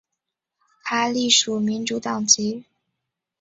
他隶属民主党籍。